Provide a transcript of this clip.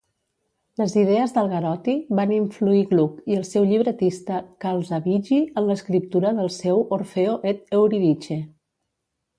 Les idees d'Algarotti van influir Gluck i el seu llibretista Calzabigi en l'escriptura del seu Orfeo ed Euridice.